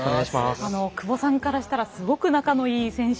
久保さんからしたらすごく仲のいい選手